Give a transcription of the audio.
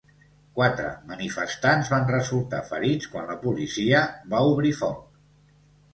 Quatre manifestants van resultar ferits quan la policia va obrir foc.